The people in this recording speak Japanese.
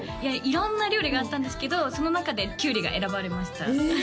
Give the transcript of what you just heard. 色んな料理があったんですけどその中でキュウリが選ばれましたええ！